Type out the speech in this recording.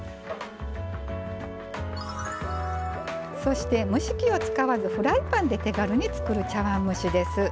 そして蒸し器を使わずフライパンで手軽に作る茶碗蒸しです。